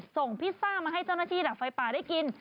ส่งพิซซ่ามาให้เจ้าหน้าที่ดับไฟป่าได้กิน